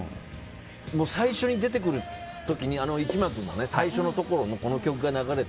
最初に出てくる時に１幕の最初のところでこの曲が流れて